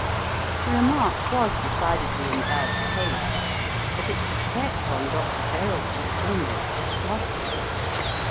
The remark was decidedly in bad taste, but its effect on Dr. Verrall was almost startling.